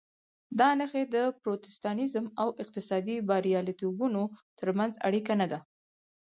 دا نښې د پروتستانېزم او اقتصادي بریالیتوبونو ترمنځ اړیکه نه ده.